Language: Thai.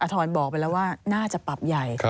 ทรบอกไปแล้วว่าน่าจะปรับใหญ่